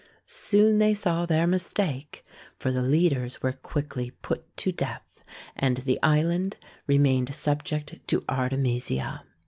Soon they saw their mistake, for the leaders were quickly put to death, and the island remained subject to Artemisia.